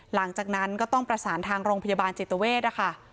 หลังจากนั้นก็ต้องประสานทางโรงพยาบาลจิตเวทนะคะ